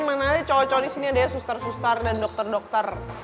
mana aja cowok cowok disini adanya sustar sustar dan dokter dokter